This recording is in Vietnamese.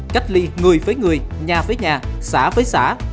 cách ly người với người nhà với nhà xã với xã